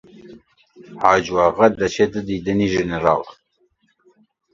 حاجۆ ئاغا دەچێتە دیدەنی ژنەراڵ